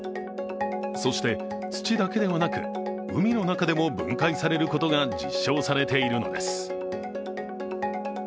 そして土だけではなく海の中でも分解されることが実証されているのです。